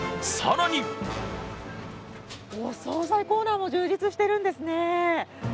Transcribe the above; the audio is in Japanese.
更にお総菜コーナーも充実しているんですね。